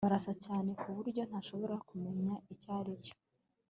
Barasa cyane kuburyo ntashobora kumenya icyaricyo